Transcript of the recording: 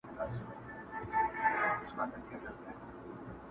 لاره د خیبر، د پښتنو د تلو راتللو ده٫